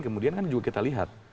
kemudian kan juga kita lihat